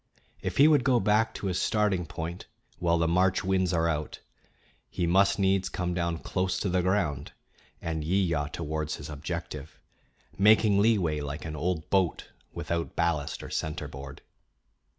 If he would go back to his starting point while the March winds are out, he must needs come down close to the ground and yewyaw towards his objective, making leeway like an old boat without ballast or centerboard.